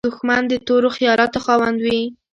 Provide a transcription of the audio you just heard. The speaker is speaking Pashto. دښمن د تورو خیالاتو خاوند وي